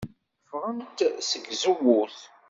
Ffɣent seg tzewwut.